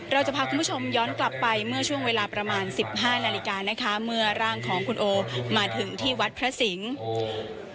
เราจะพาคุณผู้ชมย้อนกลับไปเมื่อช่วงเวลาประมาณสิบห้านาฬิกานะคะเมื่อร่างของคุณโอมาถึงที่วัดพระสิงศ์